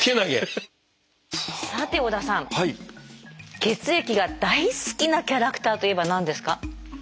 血液が大好きなキャラクターといえば何ですか？